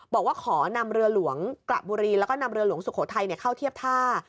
บอกว่าขอนำเรือหลวงสุโขทัยกับเรือประสานก็เลยเข้าเทียบท่า